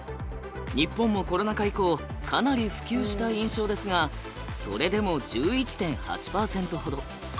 日本もコロナ禍以降かなり普及した印象ですがそれでも１１．８％ほど。